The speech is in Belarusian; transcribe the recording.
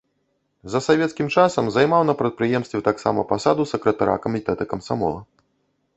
За савецкім часам займаў на прадпрыемстве таксама пасаду сакратара камітэта камсамола.